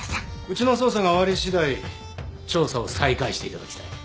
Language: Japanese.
うちの捜査が終わりしだい調査を再開していただきたい。